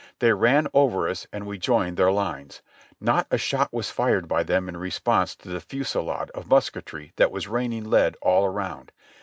They ran over us and we joined their lines. Not a shot was fired by them in response to the fusilade of musketry that was raining lead all around.